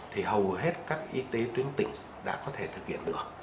thì hầu hết các y tế tuyến tỉnh đã có thể thực hiện được